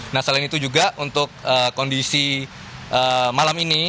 nah selain itu juga untuk kondisi malam ini